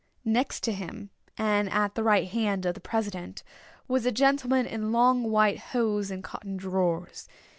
Next to him, and at the right hand of the president, was a gentleman in long white hose and cotton drawers.